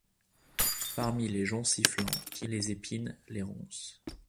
Parmi les joncs sifflants, les épines, les ronces